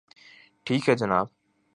ٹھیک ہے جناب